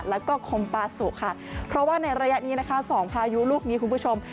แล้วก็คมปาสุค่ะเพราะว่าในระยะนี้นะคะสองพายุลูกนี้คุณผู้ชม